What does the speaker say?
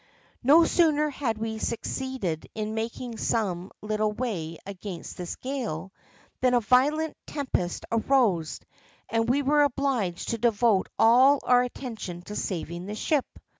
No sooner had we succeeded in making some little way against this gale, than a violent tempest arose, and we were obliged to devote all our attention to saving the ship.